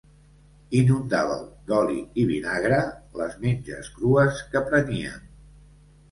Inundàveu d'oli i vinagre les menges crues que preníem.